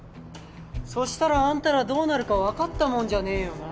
そしたらあんたらどうなるか分かったもんじゃねえよな。